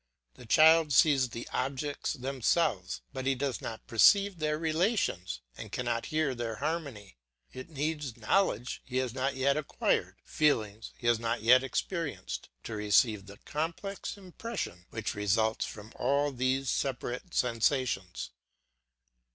The child sees the objects themselves, but does not perceive their relations, and cannot hear their harmony. It needs knowledge he has not yet acquired, feelings he has not yet experienced, to receive the complex impression which results from all these separate sensations.